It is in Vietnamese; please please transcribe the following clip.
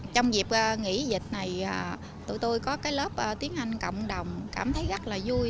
trong dịp nghỉ dịch này tụi tôi có cái lớp tiếng anh cộng đồng cảm thấy rất là vui